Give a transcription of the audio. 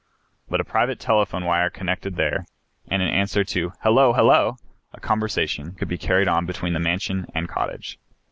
But a private telephone wire connected there, and in answer to "Hello! hello!" a conversation could be carried on between the mansion and cottage.